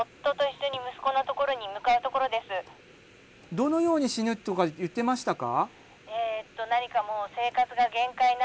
どのように死ぬとか言ってましたか？